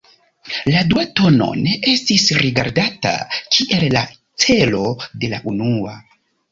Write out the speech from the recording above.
La dua tono ne estis rigardata kiel la 'celo' de la unua.